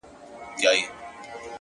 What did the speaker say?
د سكون له سپينه هــاره دى لوېـدلى،